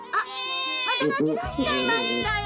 またなきだしちゃいましたよ。